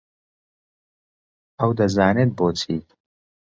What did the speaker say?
ئەو دەزانێت بۆچی.